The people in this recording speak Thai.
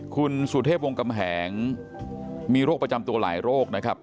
คุณศูนย์เทพวงกำแหงมีโรคระจำตัวไหลโรคนะครับ